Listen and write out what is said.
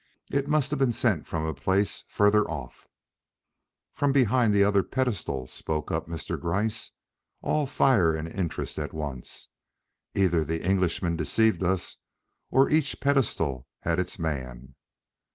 It must have been sent from a place further off." "From behind the other pedestal!" spoke up Mr. Gryce, all fire and interest at once. "Either the Englishman deceived us, or each pedestal had its man."